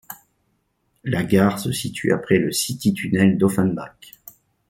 La gare se situe après le city tunnel d'Offenbach.